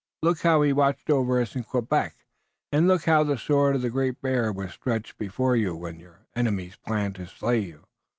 Look how he watched over us in Quebec, and look how the sword of the Great Bear was stretched before you when your enemies planned to slay you."